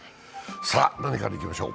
さあ、何からいきましょう。